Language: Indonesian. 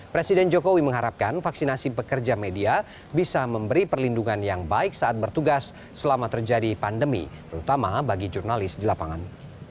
presiden jokowi mengharapkan vaksinasi pekerja media bisa memberi perlindungan yang baik saat bertugas selama terjadi pandemi terutama bagi jurnalis di lapangan